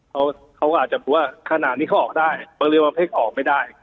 เขาเขาก็อาจจะรู้ว่าขนาดนี้เขาออกได้บางเรือบางเทศออกไม่ได้